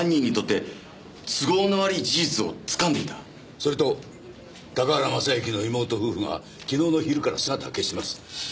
それと高原雅之の妹夫婦が昨日の昼から姿を消しています。